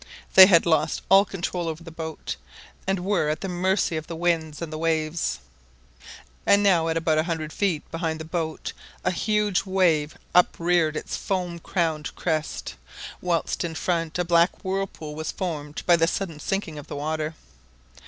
They had lost all control over the boat, and were at the mercy of the winds and waves. And now at about a hundred feet behind the boat a huge wave upreared its foam crowned crest, whilst in front a black whirlpool was formed by the sudden sinking of the water.